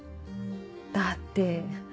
だって。